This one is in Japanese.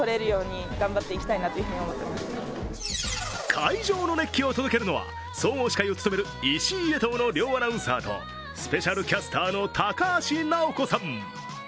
会場の熱気を届けるのは総合司会を務める石井・江藤の両アナウンサーとスペシャルキャスターの高橋尚子さん。